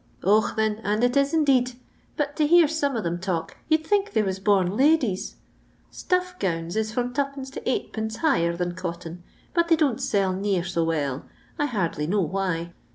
* Och, thin, and it is indeed ; but to hear some of them talk you'd think they was bom ladies. Stuff goinu is from U. to id, higher than cotton, but they don't sell near so well. I hardly know why.